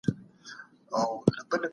اسلام غواړي چي ټول خلګ سوکاله ژوند ولري.